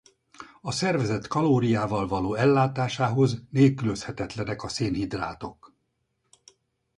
A szervezet kalóriával való ellátásához nélkülözhetetlenek a szénhidrátok.